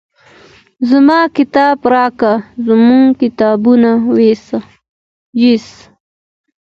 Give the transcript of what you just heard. زما کتاب راکړه زموږ کتابونه یوسه.